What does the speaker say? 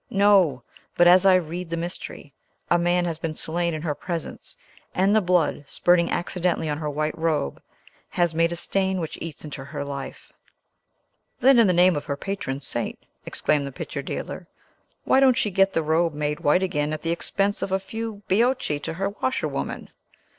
No; but, as I read the mystery, a man has been slain in her presence, and the blood, spurting accidentally on her white robe, has made a stain which eats into her life." "Then, in the name of her patron saint," exclaimed the picture dealer, "why don't she get the robe made white again at the expense of a few baiocchi to her washerwoman?